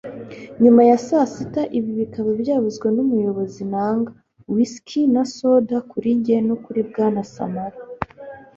nyuma ya saa sita, 'ibi bikaba byavuzwe n'umuyobozi nanga. 'whisky na soda kuri njye no kuri bwana samalu